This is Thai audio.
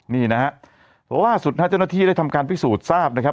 นี่นะฮะเพราะว่าสุฤทธิ์ที่ได้ทำการพิสูจน์๑๐ทราบนะฮะ